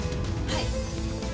はい！